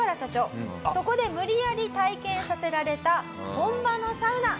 そこで無理やり体験させられた本場のサウナ。